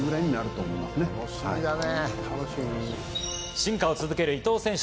進化を続ける伊藤選手。